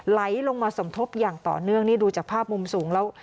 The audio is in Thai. ไหลลงมาสมทบอย่างต่อเนื่องนี่ดูจากภาพมุมสูงแล้ว